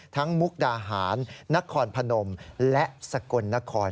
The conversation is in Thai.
มุกดาหารนครพนมและสกลนคร